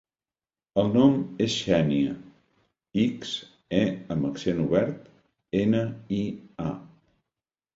El nom és Xènia: ics, e amb accent obert, ena, i, a.